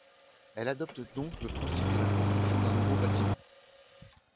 Elle adopte donc le principe de la construction d’un nouveau bâtiment.